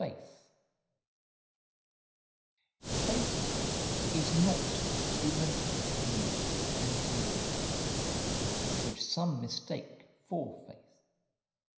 Faith. ' Faith ' is not human opinion and dream, which some mistake for faith.